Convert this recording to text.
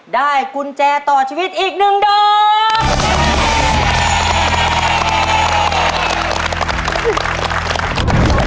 กุญแจต่อชีวิตอีกหนึ่งดอก